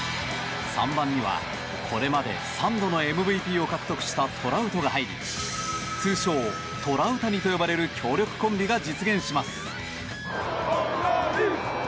３番にはこれまで３度のＭＶＰを獲得したトラウトが入り通称・トラウタニと呼ばれる強力コンビが実現します。